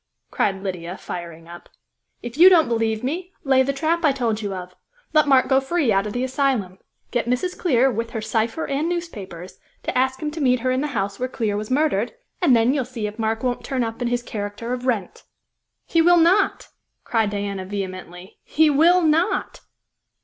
cried Lydia, firing up. "If you don't believe me, lay the trap I told you of. Let Mark go free out of the asylum; get Mrs. Clear, with her cypher and newspapers, to ask him to meet her in the house where Clear was murdered, and then you'll see if Mark won't turn up in his character of Wrent." "He will not!" cried Diana vehemently. "He will not!"